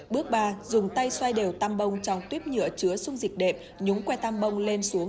bước ba dùng tay xoay đều tam bông trong tuyếp nhựa chứa dung dịch đệm nhúng que tam bông lên xuống